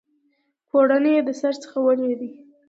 پوړنی یې د سر څخه ولوېدی